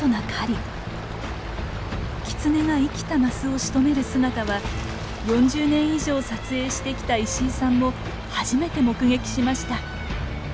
キツネが生きたマスをしとめる姿は４０年以上撮影してきた石井さんも初めて目撃しました。